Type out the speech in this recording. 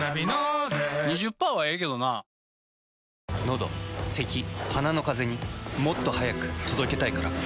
のどせき鼻のカゼにもっと速く届けたいから。